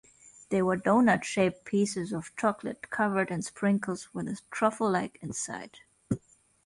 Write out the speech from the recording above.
They were donut-shaped pieces of chocolate covered in sprinkles, with a truffle-like inside.